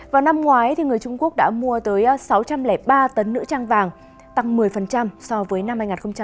vào năm ngoái người trung quốc đã mua tới sáu trăm linh ba tấn nữ trang vàng tăng một mươi so với năm hai nghìn một mươi chín